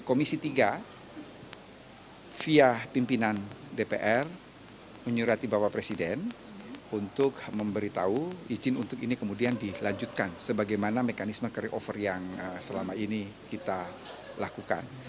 komisi tiga via pimpinan dpr menyurati bapak presiden untuk memberitahu izin untuk ini kemudian dilanjutkan sebagaimana mekanisme carryover yang selama ini kita lakukan